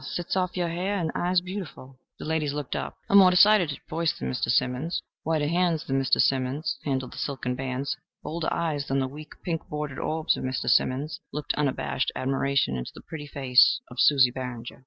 Sets off your hair and eyes beautiful." The ladies looked up. A more decided voice than Mr. Simmons'; whiter hands than Mr. Simmons' handled the silken bands; bolder eyes than the weak, pink bordered orbs of Mr. Simmons looked unabashed admiration into the pretty face of Susie Barringer.